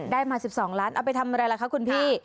ได้มา๑๒ล้านเอาไปทำอะไรล่ะคะคุณพี่